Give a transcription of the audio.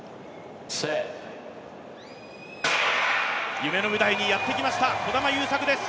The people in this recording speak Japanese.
夢の舞台にやってきました、児玉悠作です。